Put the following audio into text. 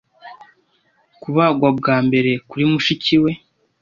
kubagwa bwa mbere kuri mushiki we